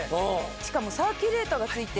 しかもサーキュレーターがついて。